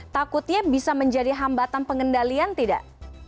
takutnya bisa menjadi hambatan pengendalian tidak